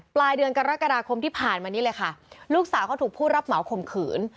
ปลายเดือนกรกฎาคมที่ผ่านมานี้เลยค่ะลูกสาวเขาถูกผู้รับเหมาข่มขืน